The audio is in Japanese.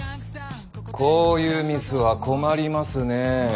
こういうミスは困りますねえ。